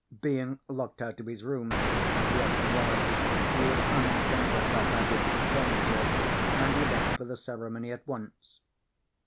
Being locked out of his rooms, as he often was, he was unencumbered by baggage or furniture, and he left for the ceremony at once.